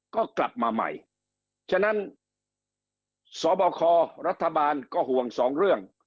ก็กลับมาใหม่ฉะนั้นสบครัฐบาลก็ห่วงสองเรื่อง